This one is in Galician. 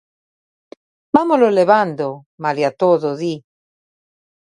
"Vámolo levando", malia todo, di.